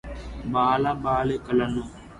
బాల బాలికలను